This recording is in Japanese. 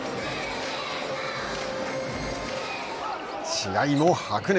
試合も白熱。